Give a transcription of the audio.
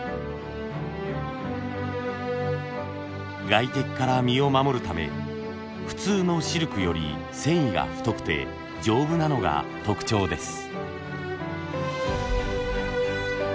外敵から身を守るため普通のシルクより繊維が太くて丈夫なのが特徴です。